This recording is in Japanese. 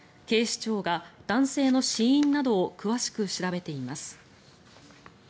警視庁が男性の死因などを詳しく調べています。